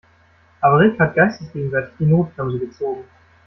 Aber Rick hat geistesgegenwärtig die Notbremse gezogen.